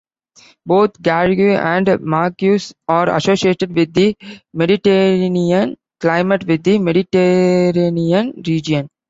Both garrigue and maquis are associated with the Mediterranean climate within the Mediterranean region.